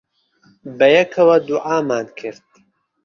بەیەکەوە دوعامان کرد.